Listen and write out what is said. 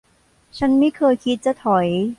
ฉันไม่เคยคิดจะถอย